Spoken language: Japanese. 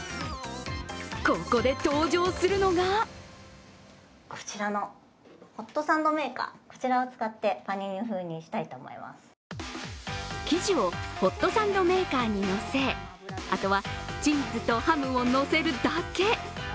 ここで登場するのが生地をホットサンドメーカーにのせ、あとはチーズとハムとのせるだけ。